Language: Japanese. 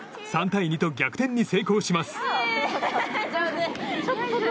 ３対２と逆転に成功します。